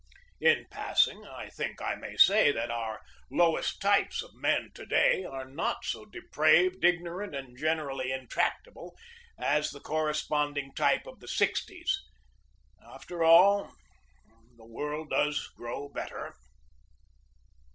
In passing, I think that I may say that our low est types of men to day are not so depraved, igno rant, and generally intractable as the corresponding THE BATTLE OF FORT FISHER 125 type of the sixties. After all, the world does grow better.